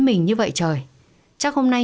mình như vậy trời chắc hôm nay